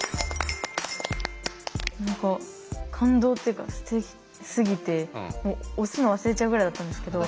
何か感動っていうかすてきすぎて押すの忘れちゃうぐらいだったんですけど。